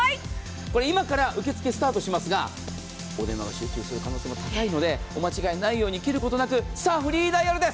今から受け付けスタートしますがお電話が集中する可能性も高いのでお間違えないように切ることなくフリーダイヤルです。